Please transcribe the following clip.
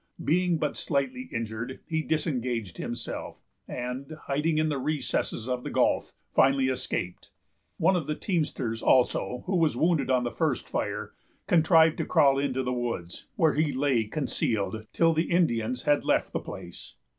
Being but slightly injured, he disengaged himself, and, hiding in the recesses of the gulf, finally escaped. One of the teamsters also, who was wounded at the first fire, contrived to crawl into the woods, where he lay concealed till the Indians had left the place.